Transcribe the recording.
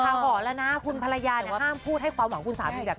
หอนแล้วนะคุณภรรยาห้ามพูดให้ความหวังคุณสามีแบบนี้